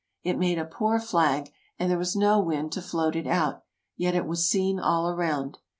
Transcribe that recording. It made a poor flag, and there was no wind to float it out, yet it was seen all around.